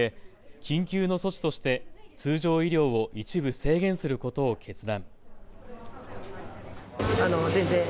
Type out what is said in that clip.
緊急の措置として通常医療を一部制限することを決断。